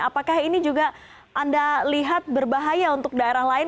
apakah ini juga anda lihat berbahaya untuk daerah lain